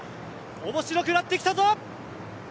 面白くなってきたぞ。